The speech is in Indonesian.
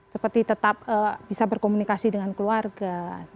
seperti tetap bisa berkomunikasi dengan keluarga